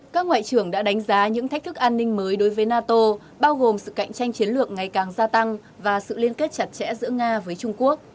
các ngoại trưởng đã đánh giá những thách thức an ninh mới đối với nato bao gồm sự cạnh tranh chiến lược ngày càng gia tăng và sự liên kết chặt chẽ giữa nga với trung quốc